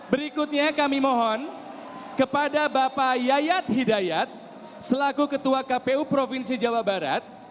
berikutnya kami mohon kepada bapak yayat hidayat selaku ketua kpu provinsi jawa barat